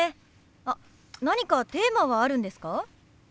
あっ何かテーマはあるんですか？